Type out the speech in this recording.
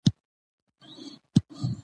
د کتاب په وروستۍ برخه کې.